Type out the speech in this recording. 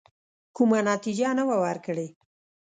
کومه نتیجه نه وه ورکړې.